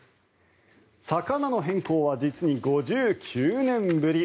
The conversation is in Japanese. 魚の変更は実に５９年ぶり。